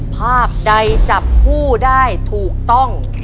ภาพใดจับคู่ได้ถูกต้อง